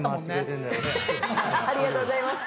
ありがとうございます。